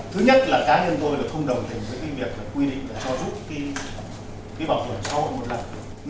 thứ nhất là cá nhân tôi không đồng tình với việc quy định cho giúp bảo hiểm xã hội một lần